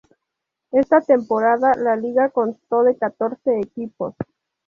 Esta temporada, la liga constó de catorce equipos.